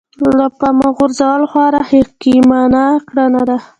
له پامه غورځول خورا حکيمانه کړنه ده.